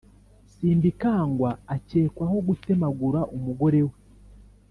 Simbikangwa akekwaho gutemagura umugorewe